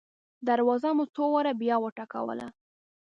دروازه مو څو واره بیا وټکوله.